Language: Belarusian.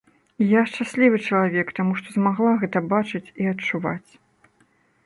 І я шчаслівы чалавек, таму што змагла гэта бачыць і адчуваць.